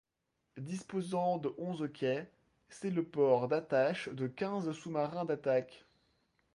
Disposant de onze quais; c’est le port d'attache de quinze sous-marins d'attaque.